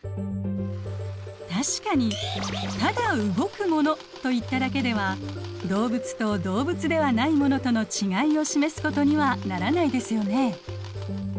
確かにただ動くものといっただけでは動物と動物ではないものとのちがいを示すことにはならないですよね。